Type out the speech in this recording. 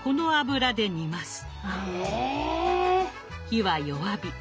⁉火は弱火。